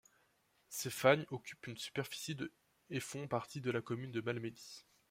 Ces fagnes occupent une superficie de et font partie de la commune de Malmedy.